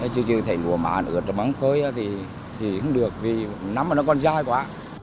chứ như thầy ngùa mãn ở trong băng phơi thì không được vì nắm nó còn dài quá